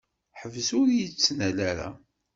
Ḥbes ur yi-d-ttnal ara.